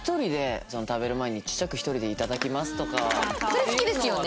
それ好きですよね？